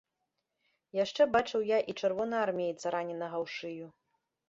Яшчэ бачыў я і чырвонаармейца, раненага ў шыю.